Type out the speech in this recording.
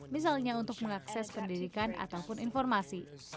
misalnya untuk mengakses pendidikan ataupun informasi